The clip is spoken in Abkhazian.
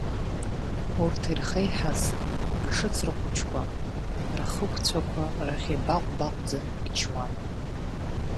Урҭ ирхеиҳаз ашыҵра хәыҷқәа рхықәцәақәа рахь ибаҟә-баҟәӡа ичуан.